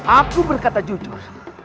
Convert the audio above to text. aku berkata jujur